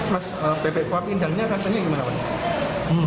mas bebek kuah pindang rasanya bagaimana pak